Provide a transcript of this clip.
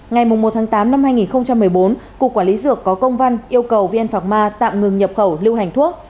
ngày một tám hai nghìn một mươi bốn cục quản lý dược có công văn yêu cầu vn phạc ma tạm ngừng nhập khẩu lưu hành thuốc